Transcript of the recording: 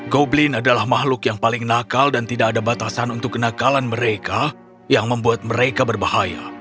goblin adalah makhluk yang paling nakal dan tidak ada batasan untuk kenakalan mereka yang membuat mereka berbahaya